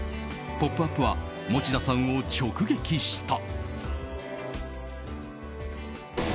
「ポップＵＰ！」は餅田さんを直撃した。